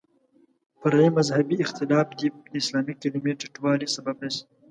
فرعي مذهبي اختلاف دې د اسلامي کلمې ټیټوالي سبب نه شي.